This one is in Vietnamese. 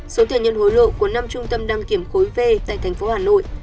số tiền nhận hối lộ của năm trung tâm đăng kiểm khối v tại tp hcm